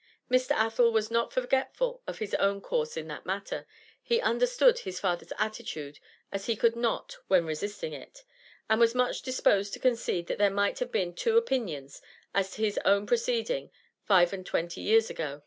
Mr. Athel was not forgetful of his own course in that matter; he understood his father's attitude as he could not when resisting it, and was much disposed to concede that there might have been two opinions as to his own proceeding five and twenty years ago.